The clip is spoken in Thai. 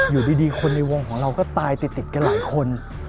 อยู่ดีคนในวงของเราก็ตายติดกันหลายคน